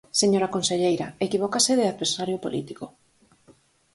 Señora conselleira, equivócase de adversario político.